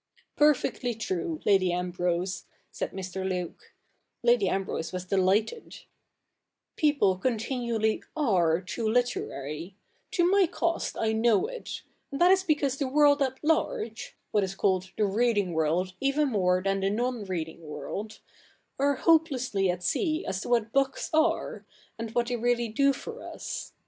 Perfectly true, Lady Ambrose,' said Mr. Luke — Lady Ambrose was delighted — 'people continually are too literary — to my cost I know^ it ; and that is because the world at large — what is called the reading world even more than the non reading world — are hopelessly at sea as to what books are, and what they really do for us.